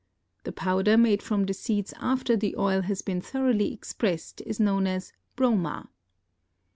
The powder made from the seeds after the oil has been thoroughly expressed is known as broma.